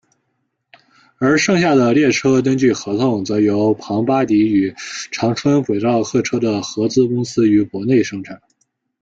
而剩下的列车根据合同则由庞巴迪与长春轨道客车的合资公司于国内生产。